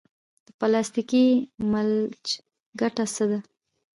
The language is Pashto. د پلاستیکي ملچ ګټه څه ده؟